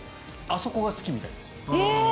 あそこが好きみたいです。